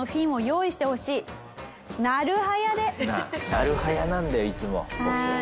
なる早なんだよいつもボスは。